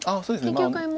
そうですね。